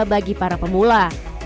bagi para pemula